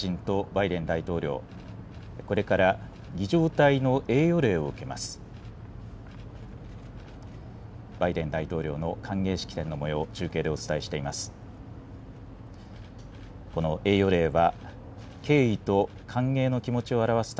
バイデン大統領の歓迎式典のもよう、中継でお伝えしています。